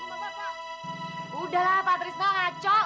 lano ada apa seribu ribu